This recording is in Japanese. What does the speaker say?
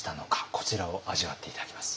こちらを味わって頂きます。